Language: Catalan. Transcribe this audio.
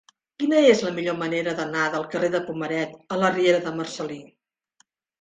Quina és la millor manera d'anar del carrer de Pomaret a la riera de Marcel·lí?